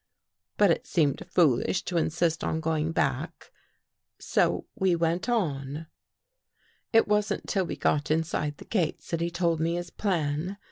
But it seemed foolish to insist on going back, so we went on. It wasn't till we got inside the gates that he told me his plan.